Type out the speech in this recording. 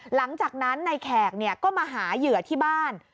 หลังจากนั้นในแขกก็มาหาเหยื่อที่บ้าน